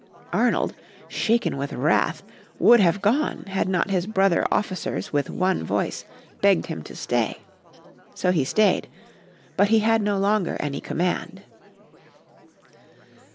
Arnold, shaken with wrath, would have gone had not his brother officers with one voice begged him to stay. So he stayed, but he had no longer any command.